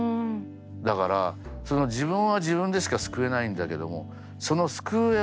だから自分は自分でしか救えないんだけどもその救う